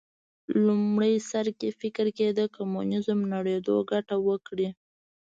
لومړي سر کې فکر کېده کمونیزم نړېدو ګټه وکړي